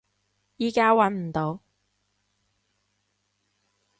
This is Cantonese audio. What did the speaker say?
依家揾唔到